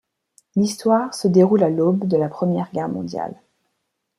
L'histoire se déroule à l'aube de la Première Guerre mondiale.